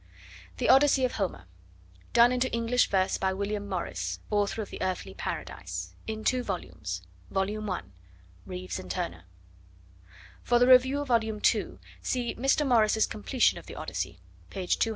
The Odyssey of Homer. Done into English Verse by William Morris, author of The Earthly Paradise. In two volumes. Volume I. (Reeves and Turner.) For review of Volume II. see Mr. Morris's Completion of the Odyssey, page 215.